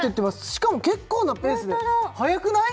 しかも結構なペースです早くない？